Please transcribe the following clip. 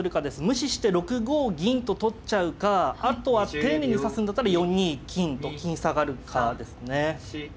無視して６五銀と取っちゃうかあとは丁寧に指すんだったら４二金と金下がるかですね。